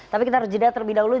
tapi kita harus jeda terlebih dahulu